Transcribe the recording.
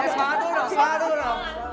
semangat dulu dong semangat dulu